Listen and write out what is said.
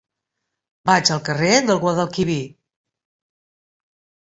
Vaig al carrer del Guadalquivir.